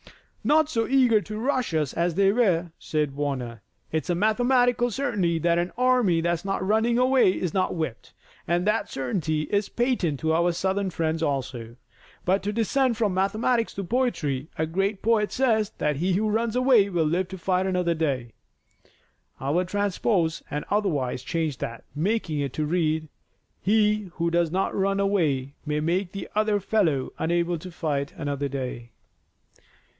"Not so eager to rush us as they were," said Warner. "It's a mathematical certainty that an army that's not running away is not whipped, and that certainty is patent to our Southern friends also. But to descend from mathematics to poetry, a great poet says that he who runs away will live to fight another day. I will transpose and otherwise change that, making it to read: He who does not run away may make the other fellow unable to fight another day."